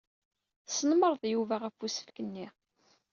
Tesnemmreḍ Yuba ɣef usefk-nni.